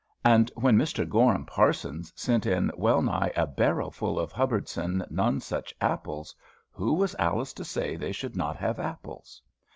And when Mr. Gorham Parsons sent in well nigh a barrel full of Hubbardston None such apples, who was Alice to say they should not have apples?